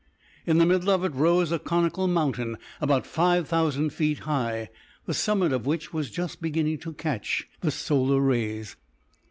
In the middle of it rose a conical mountain about five thousand feet high, the summit of which was just beginning to catch the solar rays.